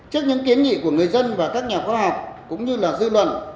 trước những kiến nghị của người dân và các nhà khoa học cũng như là dư luận